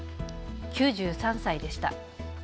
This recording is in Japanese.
９３歳でした。